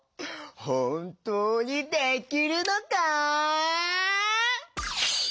ほんとうにできるのか？